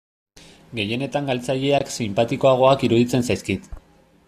Gehienetan galtzaileak sinpatikoagoak iruditzen zaizkit.